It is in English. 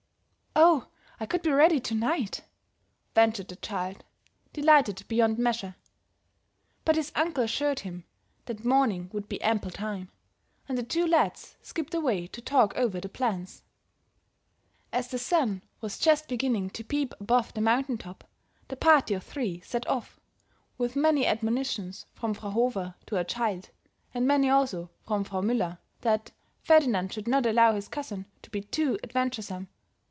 "Oh, I could be ready to night," ventured the child, delighted beyond measure. But his uncle assured him the morning would be ample time, and the two lads skipped away to talk over the plans. As the sun was just beginning to peep above the mountaintop, the party of three set off, with many admonitions from Frau Hofer to her child, and many also from Frau Müller that Ferdinand should not allow his cousin to be too adventuresome.